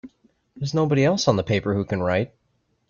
There's nobody else on the paper who can write!